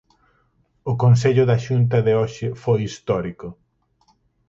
O Consello da Xunta de hoxe foi histórico.